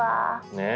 ねえ。